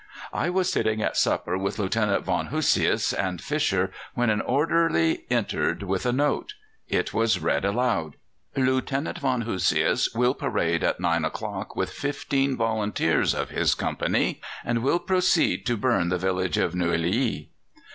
"I was sitting at supper with Lieutenant von Hosius and Fischer when an orderly entered with a note. It was read aloud: "'Lieutenant von Hosius will parade at nine o'clock with fifteen volunteers of his company, and will proceed to burn the village of Nouilly.